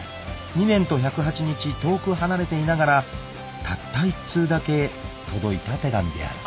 ［２年と１０８日遠く離れていながらたった１通だけ届いた手紙である］